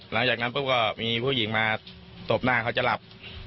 หลังจากนั้นปุ๊บก็มีผู้หญิงมาตบหน้าเขาจะหลับ